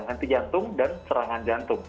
henti jantung dan serangan jantung